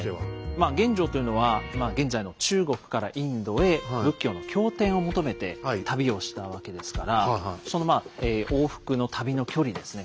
まあ玄奘というのは現在の中国からインドへ仏教の経典を求めて旅をしたわけですからそのまあ往復の旅の距離ですね